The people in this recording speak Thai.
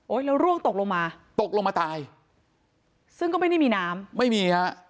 แล้วร่วงตกลงมาตกลงมาตายซึ่งก็ไม่ได้มีน้ำไม่มีฮะ